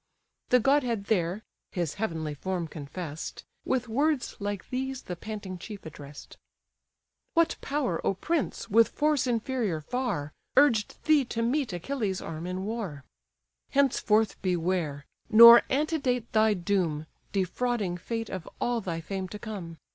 The godhead there (his heavenly form confess'd) With words like these the panting chief address'd: "What power, O prince! with force inferior far, Urged thee to meet Achilles' arm in war? Henceforth beware, nor antedate thy doom, Defrauding fate of all thy fame to come.